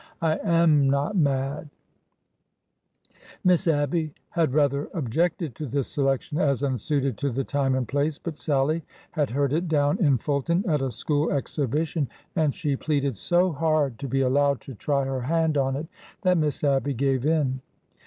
I am not mad 1 " Miss Abby had rather objected to this selection as un suited to the time and place, but Sallie had heard it down in Fulton at a school exhibition, and she pleaded so hard to be allowed to try her hand on it that Miss Abby gave in.